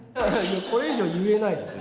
これ以上は言えないですよ。